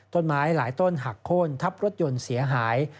ต้นไม้หลายต้นหักโค้นทับรถยนต์เสียหาย